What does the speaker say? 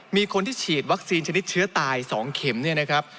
มีคนที่ฉีดวัคซีนชนิดเชื้อตาย๒เข็มเนี่ยนะครับ